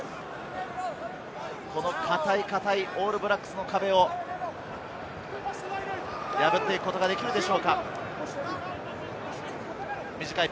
この堅い堅いオールブラックスの壁を破っていくことができるでしょうか？